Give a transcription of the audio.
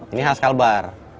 ini khas kalbar